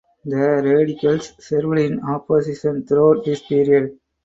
The Radicals served in opposition throughout this period.